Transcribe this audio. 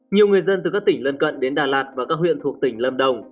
nhiều người dân từ các tỉnh lân cận đến đà lạt và các huyện thuộc tỉnh lâm đồng